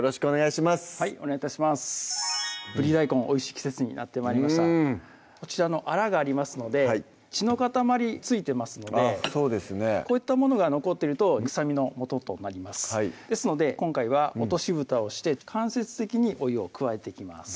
おいしい季節になって参りましたこちらのあらがありますので血の塊付いてますのでこういったものが残ってると臭みのもととなりますですので今回は落としぶたをして間接的にお湯を加えていきます